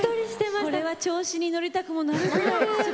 これは調子に乗りたくなります。